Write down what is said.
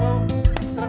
beberapa vas standard